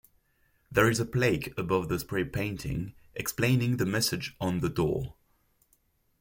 There is a plaque above the spray-painting, explaining the message on the door.